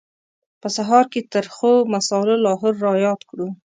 په سهار کې ترخو مسالو لاهور را یاد کړو.